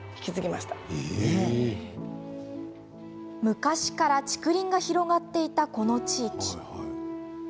昔から竹林が広がっていたこの地域。